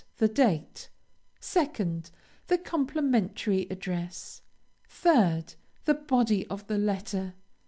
The date. 2d. The complimentary address. 3d. The body of the letter.